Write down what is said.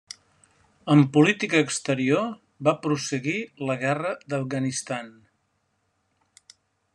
En política exterior, va prosseguir la Guerra d'Afganistan.